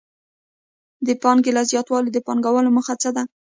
د پانګې له زیاتوالي د پانګوال موخه څه ده